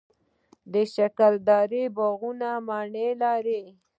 د شکردرې باغونه مڼې لري.